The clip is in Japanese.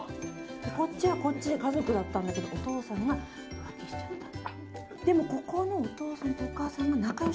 こっちはこっちで家族だったんだけどお父さんが浮気しちゃった。